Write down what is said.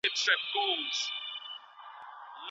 آیا انټرنیټي ټولګي د حضوري ټولګیو په کچه علمي کيفيت لري؟